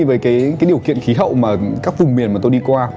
với cái điều kiện khí hậu mà các vùng miền mà tôi đi qua